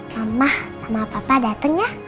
mamah sama papa dateng ya